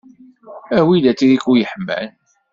Awi-d atriku yeḥman.